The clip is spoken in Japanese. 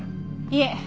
いえ。